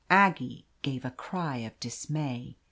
Aggie gave a cry of dismay.